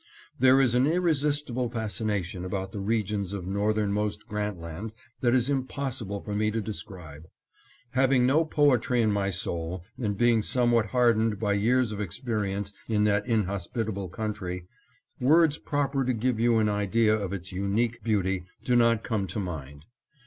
There is an irresistible fascination about the regions of northern most Grant Land that is impossible for me to describe. Having no poetry in my soul, and being somewhat hardened by years of experience in that inhospitable country, words proper to give you an idea of its unique beauty do not come to mind.